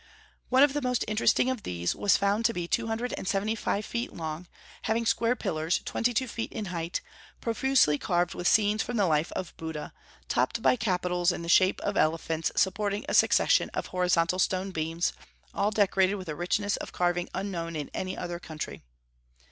One of the most interesting of these was found to be two hundred and seventy five feet long, having square pillars twenty two feet in height, profusely carved with scenes from the life of Buddha, topped by capitals in the shape of elephants supporting a succession of horizontal stone beams, all decorated with a richness of carving unknown in any other country.